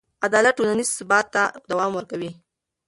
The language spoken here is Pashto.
عدالت ټولنیز ثبات ته دوام ورکوي.